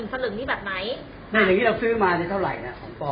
อย่างนี้เราซื้อมาในเท่าไรนะ